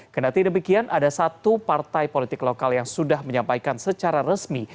kena tidak demikian ada satu partai politik lokal yang sudah menyampaikan secara resmi